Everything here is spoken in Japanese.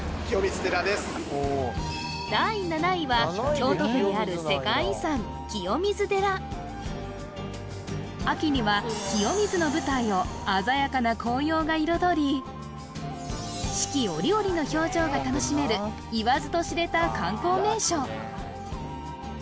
京都府にある秋には清水の舞台を鮮やかな紅葉が彩り四季折々の表情が楽しめる言わずと知れた観光名所